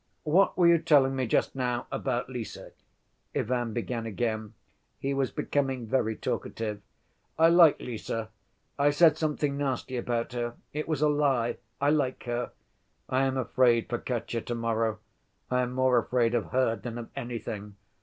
"What were you telling me just now about Lise?" Ivan began again. (He was becoming very talkative.) "I like Lise. I said something nasty about her. It was a lie. I like her ... I am afraid for Katya to‐morrow. I am more afraid of her than of anything.